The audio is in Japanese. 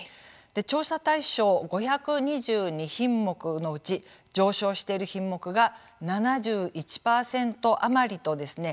調査対象５２２品目のうち上昇している品目が７１％余りとですね